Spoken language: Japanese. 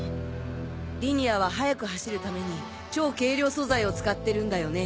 リニアは速く走るために超軽量素材を使ってるんだよね？